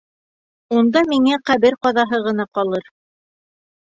Унда миңә ҡәбер ҡаҙаһы ғына ҡалыр.